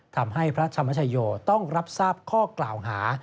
ทำให้พระธรรมชโยต้องรับทราบข้อกล่าวหา